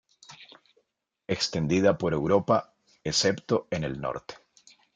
Extendida por Europa, excepto en el norte.